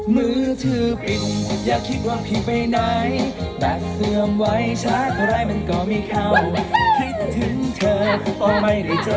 น่ารักสวยอ่ะ